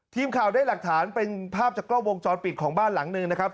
ทีมข่าวได้หลักฐานเป็นภาพจากกล้องวงจรปิดของบ้านหลังหนึ่งนะครับ